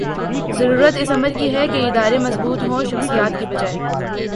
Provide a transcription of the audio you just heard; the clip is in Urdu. ضرورت اس امر کی ہے کہ ادارے مضبوط ہوں ’’ شخصیات ‘‘ کی بجائے